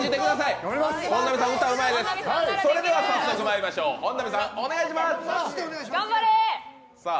それでは早速まいりましょう、本並さん、お願いします。